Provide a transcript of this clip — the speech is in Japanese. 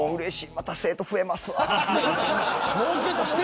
また生徒増えますわ。